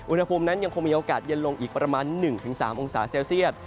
อุณหภูมินั้นยังคงมีโอกาสเย็นลงอีกประมาณ๑๓องศาเซลเซียต